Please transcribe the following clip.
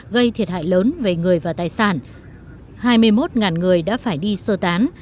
gây thiệt hại lớn về người và tài sản hai mươi một người đã phải đi sơ tán